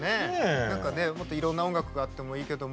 もっといろんな音楽があってもいいけども。